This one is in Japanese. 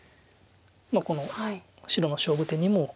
この白の勝負手にも。